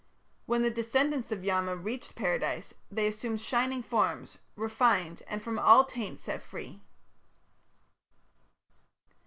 When the descendants of Yama reached Paradise they assumed shining forms "refined and from all taint set free".